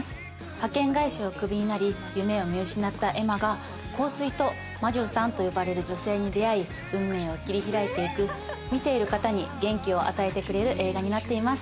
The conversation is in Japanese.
派遣会社をクビになり、夢を見失った恵麻が香水と魔女さんと呼ばれる女性に出会い、運命を切り開いていく、見ている方に元気を与えてくれる映画になっています。